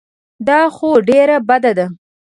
دا خو ډېره بده ده.